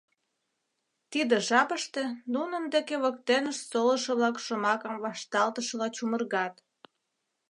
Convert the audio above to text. Тиде жапыште нунын деке воктенышт солышо-влак шомакым вашталтышыла чумыргат.